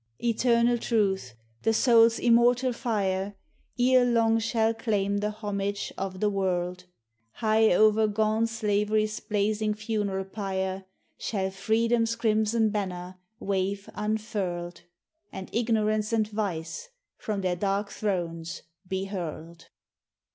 Eternal truth the soul's immortal fire Ere long shall claim the homage of the world, High o'er gaunt Slavery's blazing funeral pyre Shall Freedom's crimson banner wave unfurled, And Ignorance and Vice from their dark thrones be hurled.